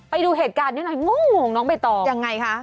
ไปดูเหตุการณ์นี้หน่อยงงน้องใบตองยังไงคะ